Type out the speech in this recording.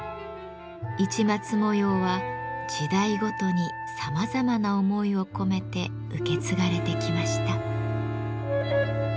市松模様は時代ごとにさまざまな思いを込めて受け継がれてきました。